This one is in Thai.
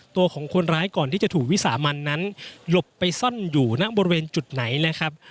ตัวของคนร้ายก่อนที่จะถูกวิสามันนั้นหลบไปซ่อนอยู่ณบริเวณจุดไหนนะครับ